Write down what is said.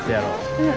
うん。